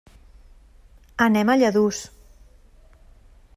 Anem a Lladurs.